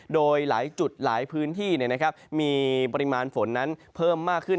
โดยหลายจุดหลายพื้นที่มีปริมาณฝนนั้นเพิ่มมากขึ้น